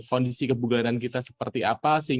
kondisi kebugaran kita seperti apa